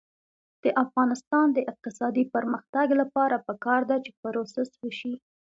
د افغانستان د اقتصادي پرمختګ لپاره پکار ده چې پروسس وشي.